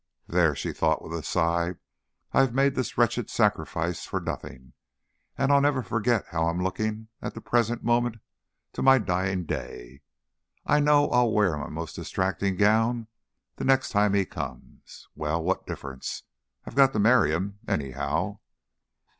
"There!" she thought with a sigh, "I've made this wretched sacrifice for nothing, and I'll never forget how I'm looking at the present moment, to my dying day. I know I'll wear my most distracting gown the next time he comes. Well, what difference? I've got to marry him, anyhow."